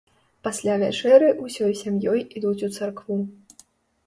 Пасля вячэры ўсёй сям'ёй ідуць у царкву.